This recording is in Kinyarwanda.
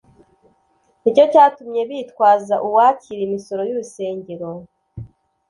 nicyo cyatumye bitwaza uwakira imisoro y'urusengero.